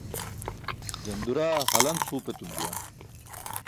Janduraa halanc huup etum juwan.